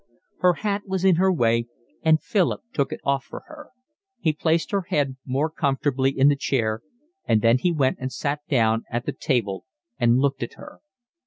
Her hat was in her way, and Philip took it off for her. He placed her head more comfortably in the chair, and then he went and sat down at the table and looked at her.